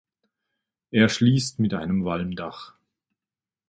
Er schließt mit einem Walmdach.